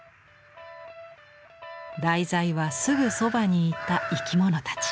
題材はすぐそばにいた生き物たち。